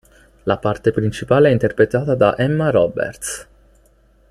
La parte principale è interpretata da Emma Roberts.